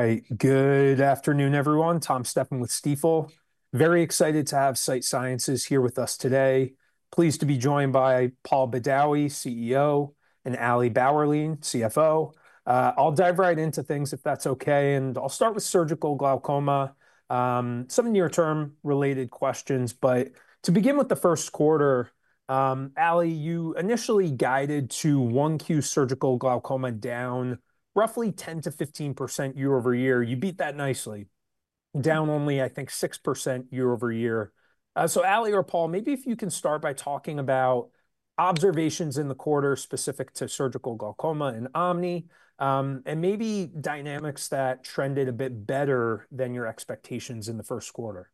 All right, good afternoon, everyone. Tom Stephan with Stifel. Very excited to have Sight Sciences here with us today. Pleased to be joined by Paul Badawi, CEO, and Ali Bauerlein, CFO. I'll dive right into things if that's okay, and I'll start with surgical glaucoma, some near-term related questions. To begin with the first quarter, Ali, you initially guided to 1Q surgical glaucoma down roughly 10%-15% year-over-year. You beat that nicely, down only, I think, 6% year-over-year. Ali or Paul, maybe if you can start by talking about observations in the quarter specific to surgical glaucoma and Omni, and maybe dynamics that trended a bit better than your expectations in the first quarter?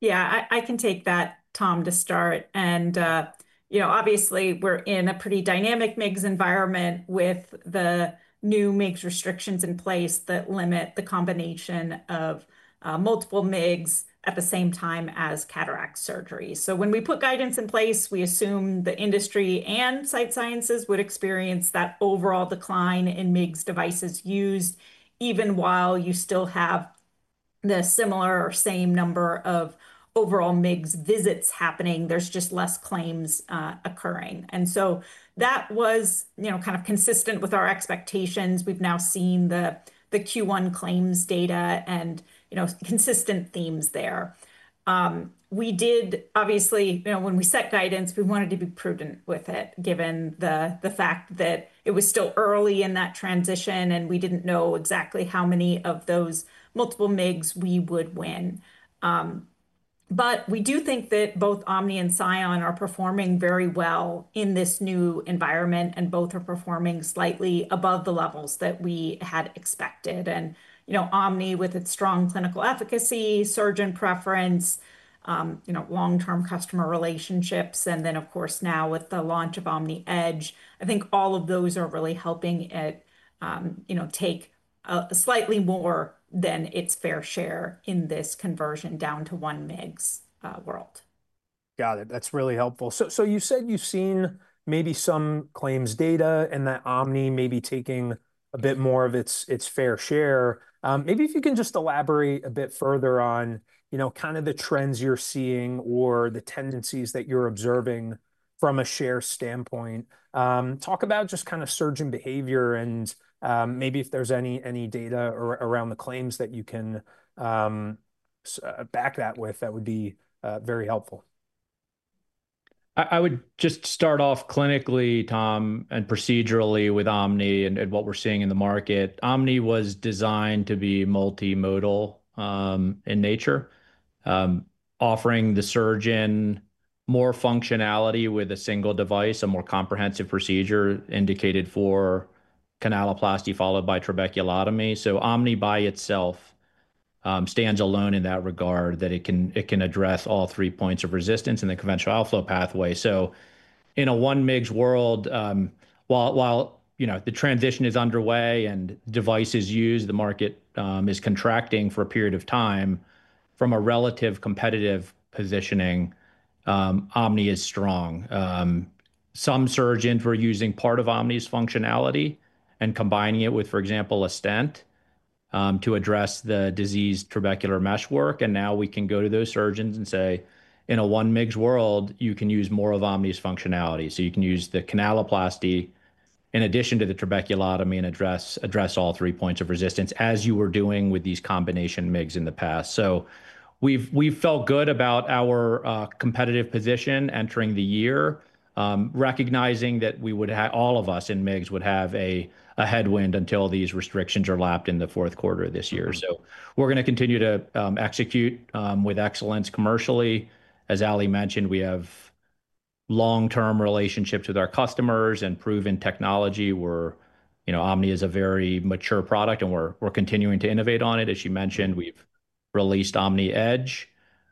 Yeah, I can take that, Tom, to start. You know, obviously we're in a pretty dynamic MIGS environment with the new MIGS restrictions in place that limit the combination of multiple MIGS at the same time as cataract surgery. When we put guidance in place, we assume the industry and Sight Sciences would experience that overall decline in MIGS devices used, even while you still have the similar or same number of overall MIGS visits happening. There's just less claims occurring. That was, you know, kind of consistent with our expectations. We've now seen the Q1 claims data and, you know, consistent themes there. We did, obviously, you know, when we set guidance, we wanted to be prudent with it, given the fact that it was still early in that transition and we didn't know exactly how many of those multiple MIGS we would win. We do think that both Omni and Scion are performing very well in this new environment, and both are performing slightly above the levels that we had expected. You know, Omni with its strong clinical efficacy, surgeon preference, long-term customer relationships, and then, of course, now with the launch of Omni Edge, I think all of those are really helping it, you know, take a slightly more than its fair share in this conversion down to one MIGS world. Got it. That's really helpful. You said you've seen maybe some claims data and that Omni may be taking a bit more of its fair share. Maybe if you can just elaborate a bit further on, you know, kind of the trends you're seeing or the tendencies that you're observing from a share standpoint, talk about just kind of surgeon behavior and maybe if there's any data around the claims that you can back that with, that would be very helpful? I would just start off clinically, Tom, and procedurally with Omni and what we're seeing in the market. Omni was designed to be multimodal in nature, offering the surgeon more functionality with a single device, a more comprehensive procedure indicated for canaloplasty followed by trabeculotomy. Omni by itself stands alone in that regard that it can, it can address all three points of resistance in the conventional outflow pathway. In a one MIGS world, while, you know, the transition is underway and devices used, the market is contracting for a period of time from a relative competitive positioning, Omni is strong. Some surgeons were using part of Omni's functionality and combining it with, for example, a stent, to address the diseased trabecular meshwork. Now we can go to those surgeons and say, in a one MIGS world, you can use more of Omni's functionality. You can use the canaloplasty in addition to the trabeculotomy and address all three points of resistance as you were doing with these combination MIGS in the past. We have felt good about our competitive position entering the year, recognizing that all of us in MIGS would have a headwind until these restrictions are lapped in the fourth quarter of this year. We are going to continue to execute with excellence commercially. As Ali mentioned, we have long-term relationships with our customers and proven technology. You know, Omni is a very mature product and we are continuing to innovate on it. As you mentioned, we have released Omni Edge,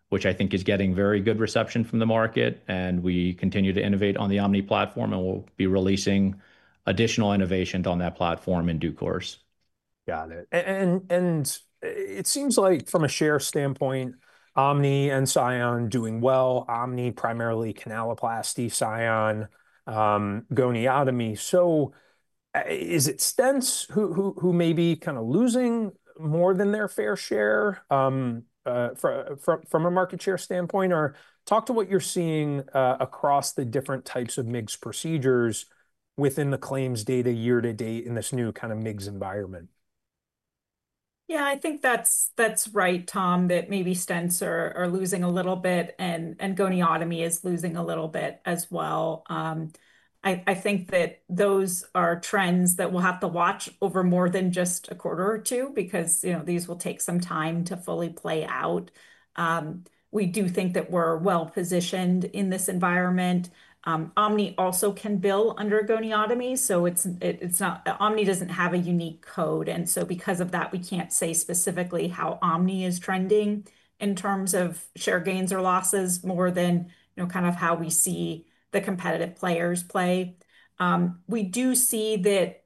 which I think is getting very good reception from the market, and we continue to innovate on the Omni platform and we will be releasing additional innovations on that platform in due course. Got it. And it seems like from a share standpoint, Omni and Scion doing well, Omni primarily canaloplasty, Scion, goniotomy. So, is it stents who may be kind of losing more than their fair share, from a market share standpoint, or talk to what you're seeing, across the different types of MIGS procedures within the claims data year to date in this new kind of MIGS environment? Yeah, I think that's right, Tom, that maybe stents are losing a little bit and goniotomy is losing a little bit as well. I think that those are trends that we'll have to watch over more than just a quarter or two because, you know, these will take some time to fully play out. We do think that we're well positioned in this environment. Omni also can bill under goniotomy, so it's not, Omni doesn't have a unique code. And so because of that, we can't say specifically how Omni is trending in terms of share gains or losses more than, you know, kind of how we see the competitive players play. We do see that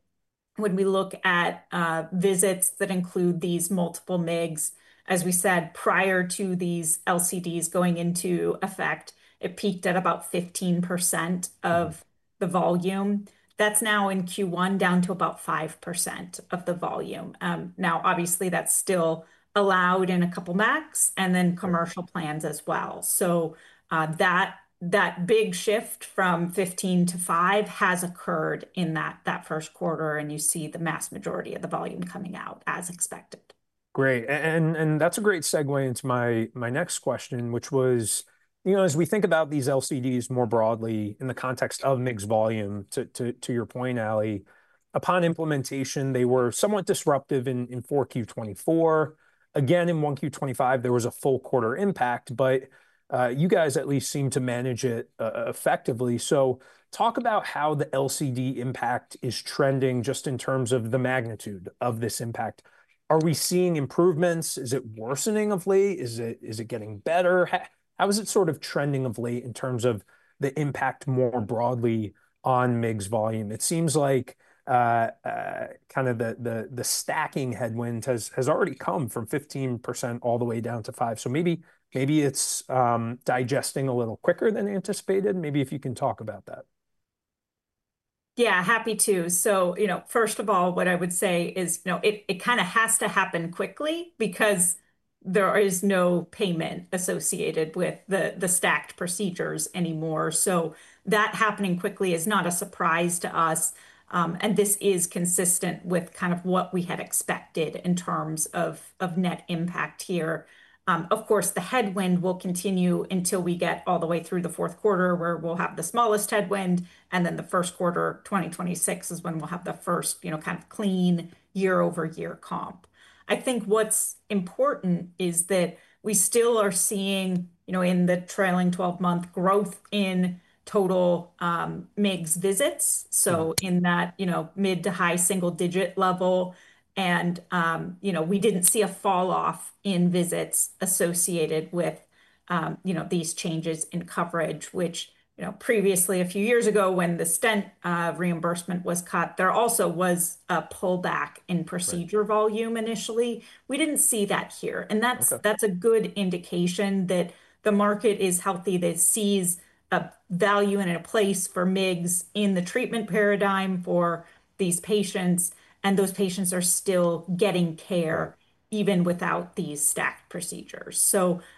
when we look at visits that include these multiple MIGS, as we said prior to these LCDs going into effect, it peaked at about 15% of the volume. That's now in Q1 down to about 5% of the volume. Now, obviously that's still allowed in a couple max and then commercial plans as well. That big shift from 15% to 5% has occurred in that first quarter, and you see the mass majority of the volume coming out as expected. Great. That's a great segue into my next question, which was, you know, as we think about these LCDs more broadly in the context of MIGS volume, to your point, Ali, upon implementation, they were somewhat disruptive in 4Q 2024. Again, in 1Q 2025, there was a full quarter impact, but you guys at least seem to manage it effectively. Talk about how the LCD impact is trending just in terms of the magnitude of this impact. Are we seeing improvements? Is it worsening of late? Is it getting better? How is it sort of trending of late in terms of the impact more broadly on MIGS volume? It seems like, kind of the stacking headwind has already come from 15% all the way down to 5%. Maybe it's digesting a little quicker than anticipated. Maybe if you can talk about that. Yeah, happy to. You know, first of all, what I would say is, you know, it kind of has to happen quickly because there is no payment associated with the stacked procedures anymore. That happening quickly is not a surprise to us. This is consistent with kind of what we had expected in terms of net impact here. Of course, the headwind will continue until we get all the way through the fourth quarter where we'll have the smallest headwind, and then the first quarter of 2026 is when we'll have the first, you know, kind of clean year-over-year comp. I think what's important is that we still are seeing, you know, in the trailing 12 month growth in total MIGS visits. In that, you know, mid to high single digit level. You know, we did not see a fall off in visits associated with, you know, these changes in coverage, which, you know, previously, a few years ago when the stent reimbursement was cut, there also was a pullback in procedure volume initially. We did not see that here. That is a good indication that the market is healthy. They see a value in a place for MIGS in the treatment paradigm for these patients, and those patients are still getting care even without these stacked procedures.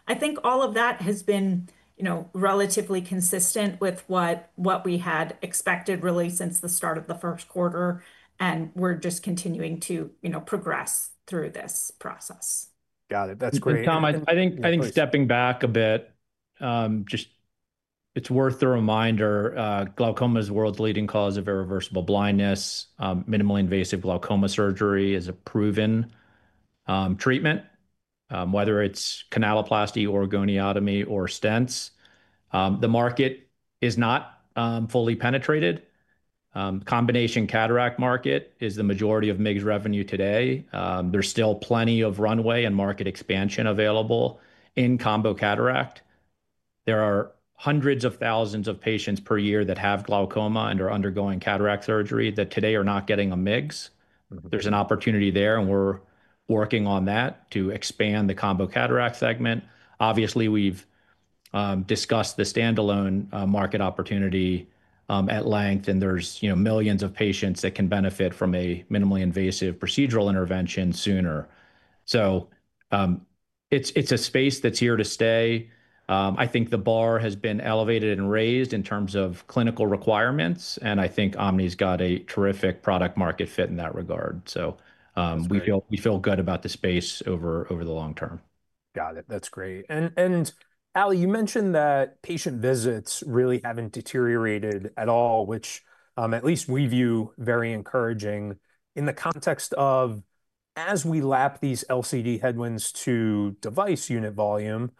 I think all of that has been, you know, relatively consistent with what we had expected really since the start of the first quarter, and we are just continuing to, you know, progress through this process. Got it. That's great. I think, I think stepping back a bit, just it's worth the reminder, glaucoma is world's leading cause of irreversible blindness. Minimally invasive glaucoma surgery is a proven treatment, whether it's canaloplasty or goniotomy or stents. The market is not fully penetrated. Combination cataract market is the majority of MIGS revenue today. There's still plenty of runway and market expansion available in combo cataract. There are hundreds of thousands of patients per year that have glaucoma and are undergoing cataract surgery that today are not getting a MIGS. There's an opportunity there, and we're working on that to expand the combo cataract segment. Obviously, we've discussed the standalone market opportunity at length, and there's, you know, millions of patients that can benefit from a minimally invasive procedural intervention sooner. It's a space that's here to stay. I think the bar has been elevated and raised in terms of clinical requirements, and I think Omni's got a terrific product market fit in that regard. We feel good about the space over the long term. Got it. That's great. Ali, you mentioned that patient visits really haven't deteriorated at all, which, at least we view very encouraging in the context of, as we lap these LCD headwinds to device unit volume,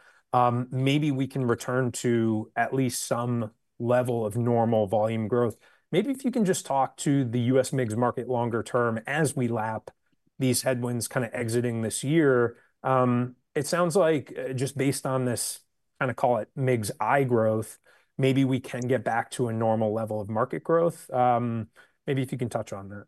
maybe we can return to at least some level of normal volume growth. Maybe if you can just talk to the U.S MIGS market longer term as we lap these headwinds kind of exiting this year, it sounds like just based on this kind of, call it MIGS eye growth, maybe we can get back to a normal level of market growth. Maybe if you can touch on that.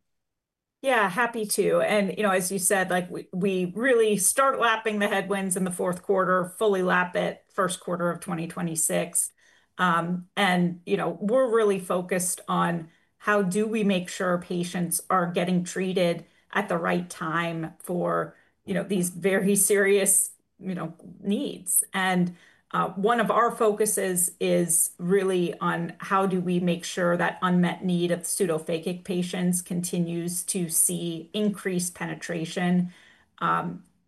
Yeah, happy to. You know, as you said, like we really start lapping the headwinds in the fourth quarter, fully lap it first quarter of 2026. You know, we're really focused on how do we make sure patients are getting treated at the right time for, you know, these very serious, you know, needs. One of our focuses is really on how do we make sure that unmet need of pseudophakic patients continues to see increased penetration.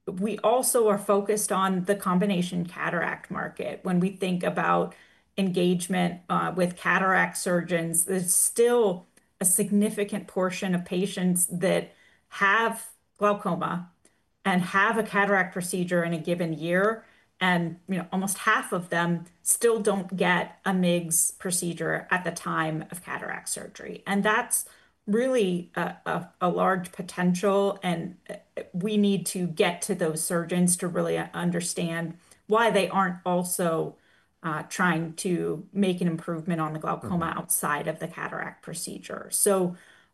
We also are focused on the combination cataract market. When we think about engagement with cataract surgeons, there's still a significant portion of patients that have glaucoma and have a cataract procedure in a given year, and, you know, almost half of them still don't get a MIGS procedure at the time of cataract surgery. That's really a large potential, and we need to get to those surgeons to really understand why they aren't also trying to make an improvement on the glaucoma outside of the cataract procedure.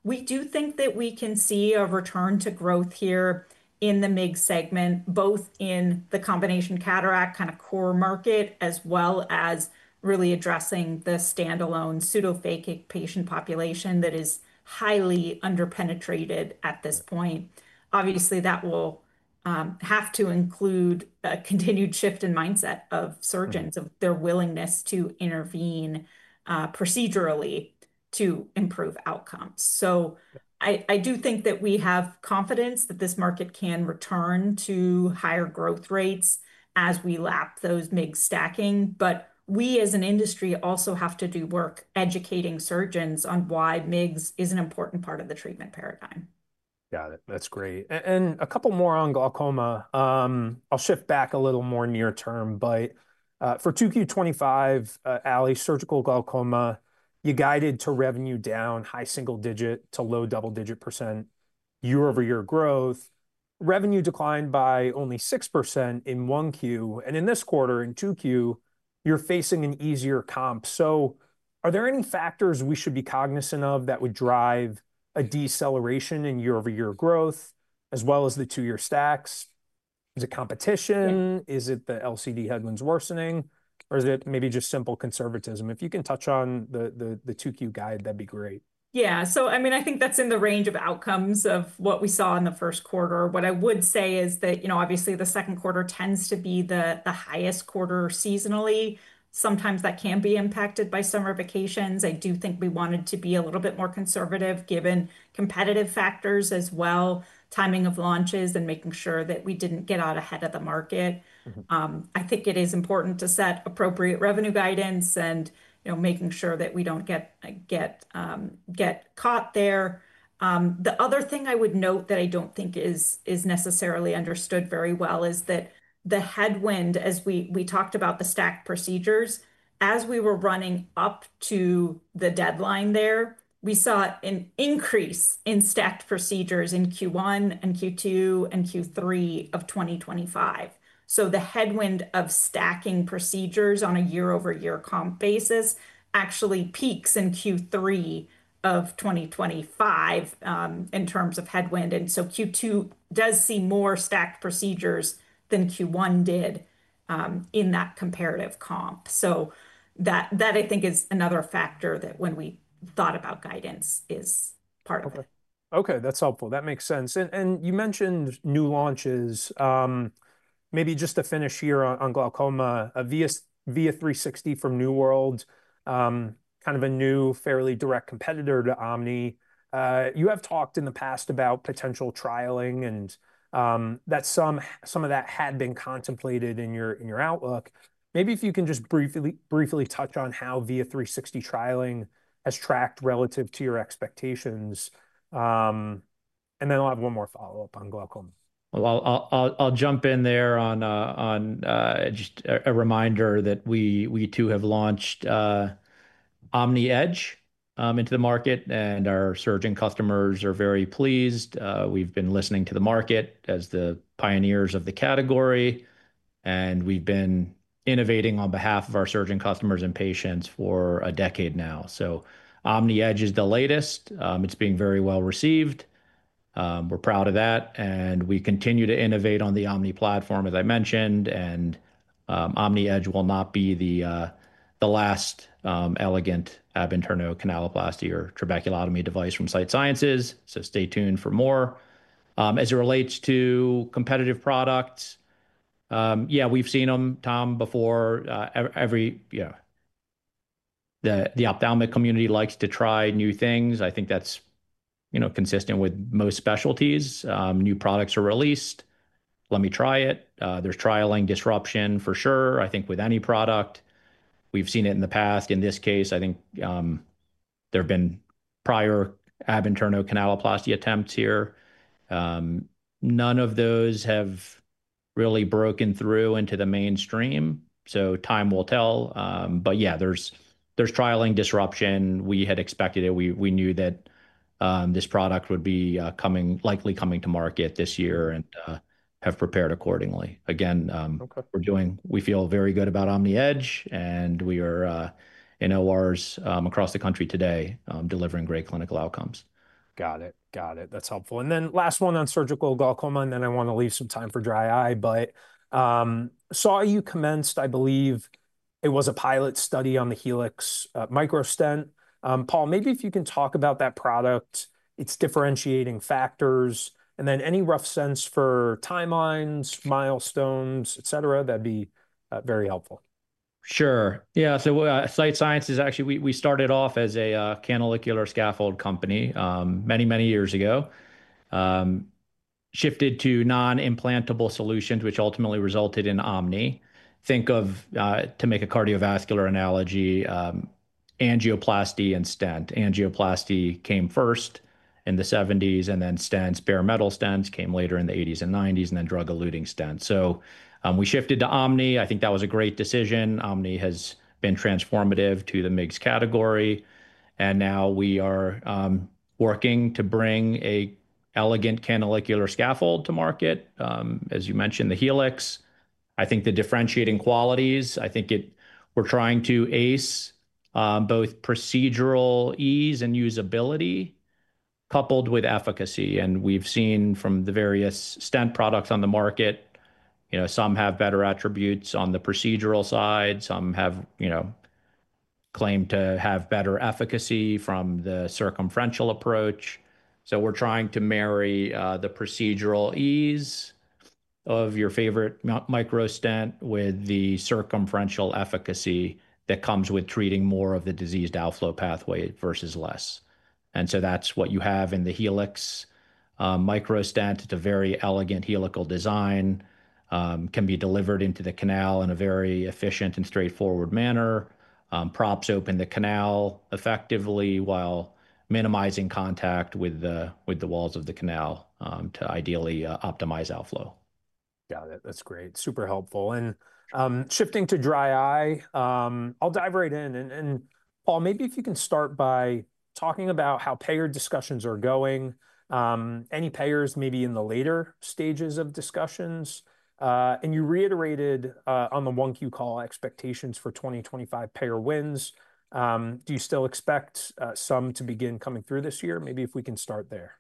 We do think that we can see a return to growth here in the MIGS segment, both in the combination cataract kind of core market, as well as really addressing the standalone pseudophakic patient population that is highly underpenetrated at this point. Obviously, that will have to include a continued shift in mindset of surgeons, of their willingness to intervene procedurally to improve outcomes. I do think that we have confidence that this market can return to higher growth rates as we lap those MIGS stacking, but we as an industry also have to do work educating surgeons on why MIGS is an important part of the treatment paradigm. Got it. That's great. A couple more on glaucoma. I'll shift back a little more near term, but for 2Q 2025, Ali, surgical glaucoma, you guided to revenue down, high single digit to low double digit %, year-over-year growth, revenue declined by only 6% in 1Q, and in this quarter in 2Q, you're facing an easier comp. Are there any factors we should be cognizant of that would drive a deceleration in year-over-year growth, as well as the two year stacks? Is it competition? Is it the LCD headwinds worsening? Is it maybe just simple conservatism? If you can touch on the 2Q guide, that'd be great. Yeah. I mean, I think that's in the range of outcomes of what we saw in the first quarter. What I would say is that, you know, obviously the second quarter tends to be the highest quarter seasonally. Sometimes that can be impacted by summer vacations. I do think we wanted to be a little bit more conservative given competitive factors as well, timing of launches and making sure that we didn't get out ahead of the market. I think it is important to set appropriate revenue guidance and, you know, making sure that we don't get caught there. The other thing I would note that I don't think is necessarily understood very well is that the headwind, as we talked about the stacked procedures, as we were running up to the deadline there, we saw an increase in stacked procedures in Q1 and Q2 and Q3 of 2025. The headwind of stacking procedures on a year-over-year comp basis actually peaks in Q3 of 2025, in terms of headwind. Q2 does see more stacked procedures than Q1 did, in that comparative comp. That, I think, is another factor that when we thought about guidance is part of it. Okay. Okay. That's helpful. That makes sense. You mentioned new launches, maybe just to finish here on glaucoma, a VIA 360 from New World, kind of a new fairly direct competitor to Omni. You have talked in the past about potential trialing and that some of that had been contemplated in your outlook. Maybe if you can just briefly, briefly touch on how VIA 360 trialing has tracked relative to your expectations? I will have one more follow-up on glaucoma. I'll jump in there on, just a reminder that we, we too have launched Omni Edge into the market, and our surgeon customers are very pleased. We've been listening to the market as the pioneers of the category, and we've been innovating on behalf of our surgeon customers and patients for a decade now. Omni Edge is the latest. It's being very well received. We're proud of that, and we continue to innovate on the Omni platform, as I mentioned, and Omni Edge will not be the last elegant ab interno canaloplasty or trabeculotomy device from Sight Sciences. Stay tuned for more. As it relates to competitive products, yeah, we've seen them, Tom, before, every, every, yeah. The ophthalmic community likes to try new things. I think that's, you know, consistent with most specialties. New products are released. Let me try it. There's trialing disruption for sure. I think with any product, we've seen it in the past. In this case, I think there've been prior ab interno canaloplasty attempts here. None of those have really broken through into the mainstream. Time will tell. Yeah, there's trialing disruption. We had expected it. We knew that this product would be likely coming to market this year and have prepared accordingly. Again, we're doing, we feel very good about Omni Edge, and we are in ORs across the country today, delivering great clinical outcomes. Got it. Got it. That's helpful. Last one on surgical glaucoma, and I want to leave some time for dry eye, but saw you commenced, I believe it was a pilot study on the Helix micro stent. Paul, maybe if you can talk about that product, its differentiating factors, and any rough sense for timelines, milestones, et cetera, that'd be very helpful. Sure. Yeah. Sight Sciences actually, we started off as a canalicular scaffold company many, many years ago, shifted to non-implantable solutions, which ultimately resulted in Omni. Think of, to make a cardiovascular analogy, angioplasty and stent. Angioplasty came first in the 1970s, and then stents, bare metal stents came later in the 1980s and 1990s, and then drug-eluting stents. We shifted to Omni. I think that was a great decision. Omni has been transformative to the MIGS category, and now we are working to bring an elegant canalicular scaffold to market. As you mentioned, the Helix, I think the differentiating qualities, I think it, we're trying to ace both procedural ease and usability coupled with efficacy. We have seen from the various stent products on the market, you know, some have better attributes on the procedural side, some have, you know, claim to have better efficacy from the circumferential approach. We are trying to marry the procedural ease of your favorite micro stent with the circumferential efficacy that comes with treating more of the diseased outflow pathway versus less. That is what you have in the Helix micro stent. It is a very elegant helical design, can be delivered into the canal in a very efficient and straightforward manner. It props open the canal effectively while minimizing contact with the walls of the canal, to ideally optimize outflow. Got it. That's great. Super helpful. Shifting to dry eye, I'll dive right in, and Paul, maybe if you can start by talking about how payer discussions are going, any payers maybe in the later stages of discussions. You reiterated, on the 1Q call, expectations for 2025 payer wins. Do you still expect some to begin coming through this year? Maybe if we can start there.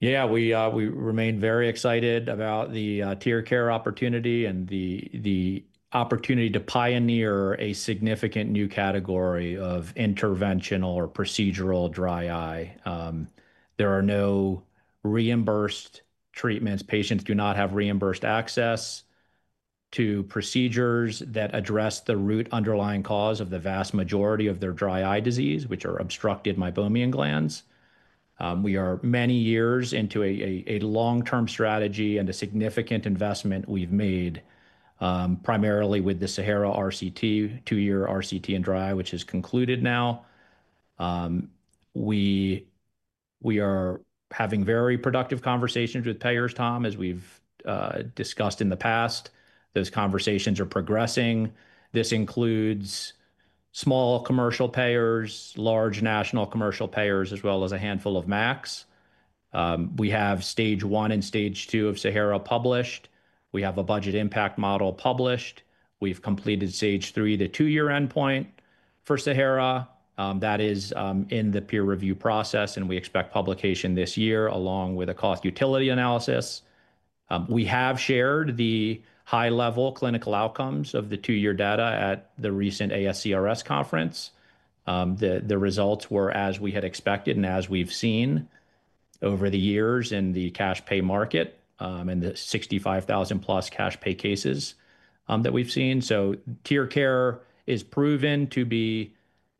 Yeah, we remain very excited about the TearCare opportunity and the opportunity to pioneer a significant new category of interventional or procedural dry eye. There are no reimbursed treatments. Patients do not have reimbursed access to procedures that address the root underlying cause of the vast majority of their dry eye disease, which are obstructed meibomian glands. We are many years into a long-term strategy and a significant investment we've made, primarily with the Sahara RCT, two-year RCT in dry eye, which has concluded now. We are having very productive conversations with payers, Tom, as we've discussed in the past. Those conversations are progressing. This includes small commercial payers, large national commercial payers, as well as a handful of MACs. We have stage one and stage two of Sahara published. We have a budget impact model published. We've completed stage three to two-year endpoint for Sahara. That is in the peer review process, and we expect publication this year along with a cost utility analysis. We have shared the high-level clinical outcomes of the two-year data at the recent ASCRS conference. The results were as we had expected and as we've seen over the years in the cash pay market, in the 65,000-plus cash pay cases that we've seen. TearCare is proven to be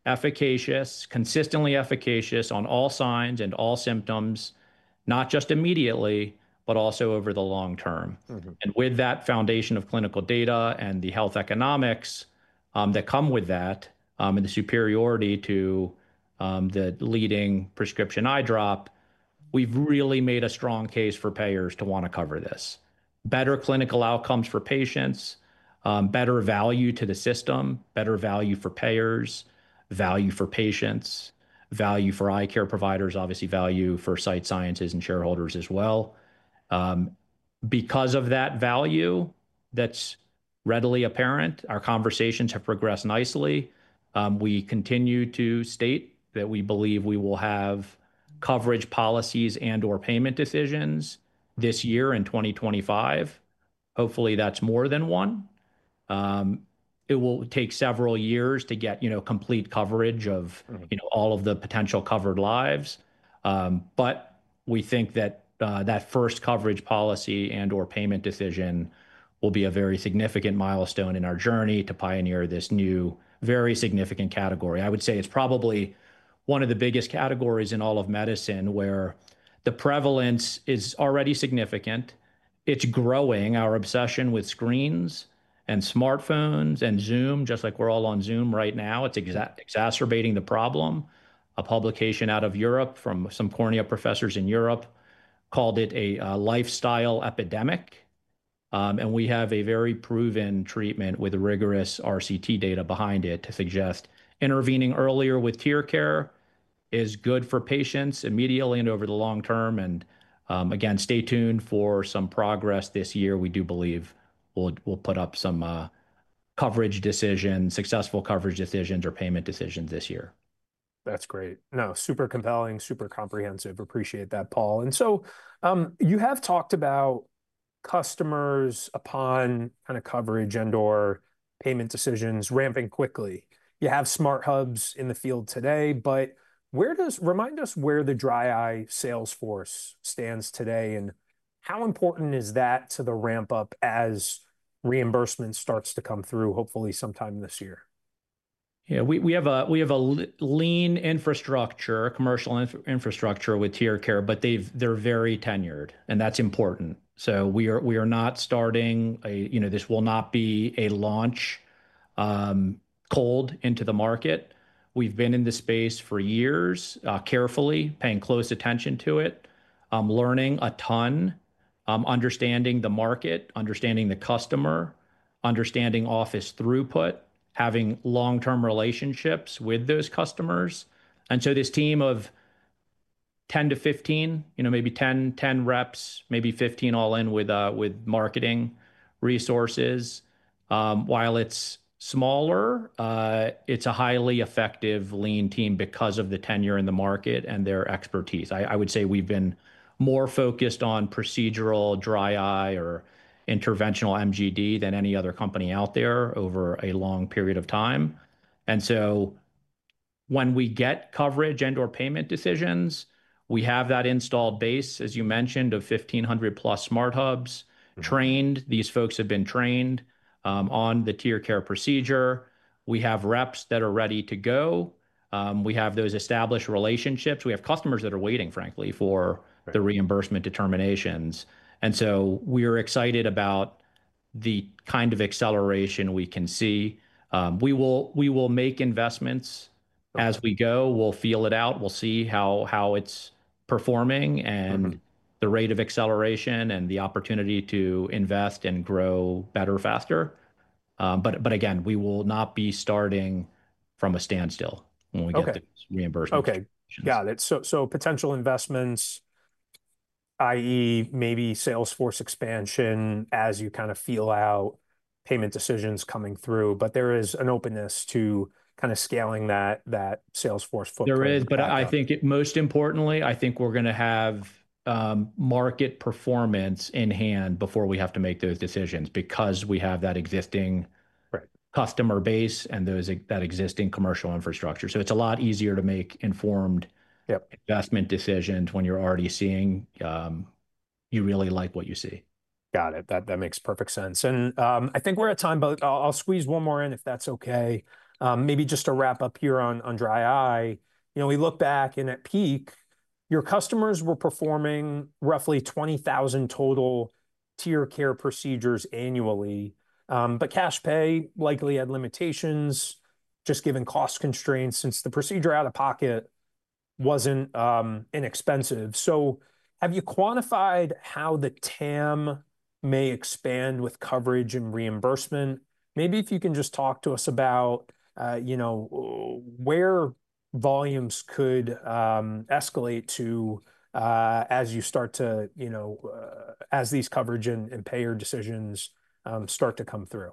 efficacious, consistently efficacious on all signs and all symptoms, not just immediately, but also over the long term. With that foundation of clinical data and the health economics that come with that, and the superiority to the leading prescription eye drop, we've really made a strong case for payers to want to cover this. Better clinical outcomes for patients, better value to the system, better value for payers, value for patients, value for eye care providers, obviously value for Sight Sciences and shareholders as well. Because of that value that's readily apparent, our conversations have progressed nicely. We continue to state that we believe we will have coverage policies and/or payment decisions this year and 2025. Hopefully that's more than one. It will take several years to get, you know, complete coverage of, you know, all of the potential covered lives. But we think that, that first coverage policy and/or payment decision will be a very significant milestone in our journey to pioneer this new very significant category. I would say it's probably one of the biggest categories in all of medicine where the prevalence is already significant. It's growing. Our obsession with screens and smartphones and Zoom, just like we're all on Zoom right now, it's exacerbating the problem. A publication out of Europe from some cornea professors in Europe called it a lifestyle epidemic. We have a very proven treatment with rigorous RCT data behind it to suggest intervening earlier with TearCare is good for patients immediately and over the long term. Again, stay tuned for some progress this year. We do believe we'll put up some coverage decisions, successful coverage decisions or payment decisions this year. That's great. No, super compelling, super comprehensive. Appreciate that, Paul. You have talked about customers upon kind of coverage and/or payment decisions ramping quickly. You have smart hubs in the field today, but where does, remind us where the dry eye sales force stands today and how important is that to the ramp up as reimbursement starts to come through hopefully sometime this year? Yeah, we have a lean infrastructure, commercial infrastructure with TearCare, but they're very tenured and that's important. We are not starting a, you know, this will not be a launch, cold into the market. We've been in this space for years, carefully paying close attention to it, learning a ton, understanding the market, understanding the customer, understanding office throughput, having long-term relationships with those customers. This team of 10-15, you know, maybe 10 reps, maybe 15 all in with marketing resources, while it's smaller, it's a highly effective lean team because of the tenure in the market and their expertise. I would say we've been more focused on procedural dry eye or interventional MGD than any other company out there over a long period of time. When we get coverage and/or payment decisions, we have that installed base, as you mentioned, of 1,500 plus smart hubs trained. These folks have been trained on the TearCare procedure. We have reps that are ready to go. We have those established relationships. We have customers that are waiting, frankly, for the reimbursement determinations. We are excited about the kind of acceleration we can see. We will make investments as we go. We'll feel it out. We'll see how it's performing and the rate of acceleration and the opportunity to invest and grow better, faster. Again, we will not be starting from a standstill when we get the reimbursement. Okay. Got it. Potential investments, i.e., maybe sales force expansion as you kind of feel out payment decisions coming through, but there is an openness to kind of scaling that sales force footprint. There is, but I think most importantly, I think we're gonna have market performance in hand before we have to make those decisions because we have that existing customer base and that existing commercial infrastructure. So it's a lot easier to make informed investment decisions when you're already seeing, you really like what you see. Got it. That makes perfect sense. I think we're at time, but I'll squeeze one more in if that's okay. Maybe just to wrap up here on dry eye, you know, we look back and at peak, your customers were performing roughly 20,000 total TearCare procedures annually, but cash pay likely had limitations just given cost constraints since the procedure out of pocket wasn't inexpensive. Have you quantified how the TAM may expand with coverage and reimbursement? Maybe if you can just talk to us about, you know, where volumes could escalate to, as you start to, you know, as these coverage and payer decisions start to come through.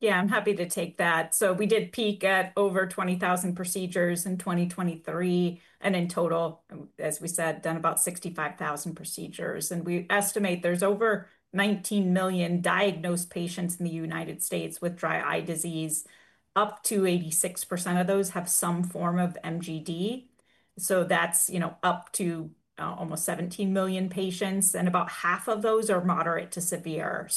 Yeah, I'm happy to take that. We did peak at over 20,000 procedures in 2023, and in total, as we said, done about 65,000 procedures. We estimate there's over 19 million diagnosed patients in the United States with dry eye disease. Up to 86% of those have some form of MGD. That's, you know, up to almost 17 million patients, and about half of those are moderate to severe.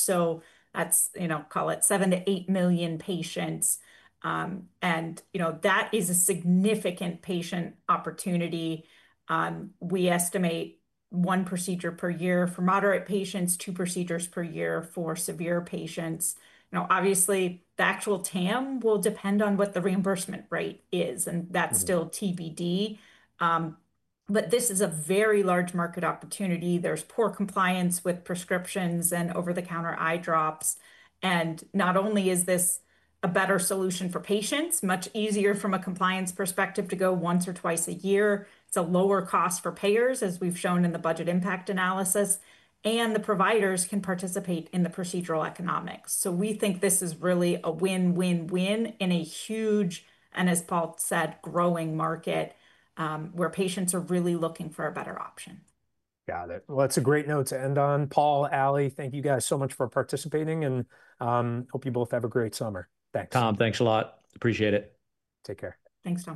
That's, you know, call it 7 to 8 million patients. You know, that is a significant patient opportunity. We estimate one procedure per year for moderate patients, two procedures per year for severe patients. Now, obviously the actual TAM will depend on what the reimbursement rate is, and that's still TBD. This is a very large market opportunity. There's poor compliance with prescriptions and over-the-counter eye drops. Not only is this a better solution for patients, much easier from a compliance perspective to go once or twice a year, it's a lower cost for payers, as we've shown in the budget impact analysis, and the providers can participate in the procedural economics. We think this is really a win, win, win in a huge, and as Paul said, growing market, where patients are really looking for a better option. Got it. That's a great note to end on. Paul, Ali, thank you guys so much for participating, and hope you both have a great summer. Thanks. Tom, thanks a lot. Appreciate it. Take care. Thanks, Tom.